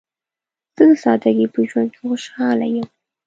زه د سادګۍ په ژوند کې خوشحاله یم.